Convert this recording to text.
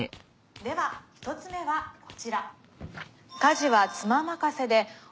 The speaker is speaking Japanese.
では１つめはこちら。